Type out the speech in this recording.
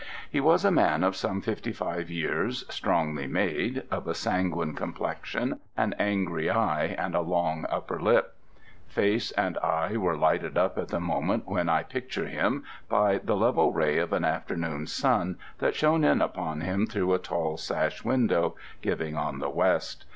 He was a man of some fifty five years, strongly made, of a sanguine complexion, an angry eye, and a long upper lip. Face and eye were lighted up at the moment when I picture him by the level ray of an afternoon sun that shone in upon him through a tall sash window, giving on the west.